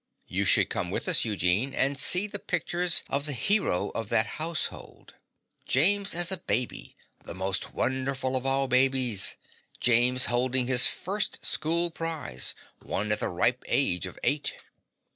You should come with us, Eugene, and see the pictures of the hero of that household. James as a baby! the most wonderful of all babies. James holding his first school prize, won at the ripe age of eight!